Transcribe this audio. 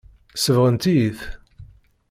Sebɣent-iyi-t.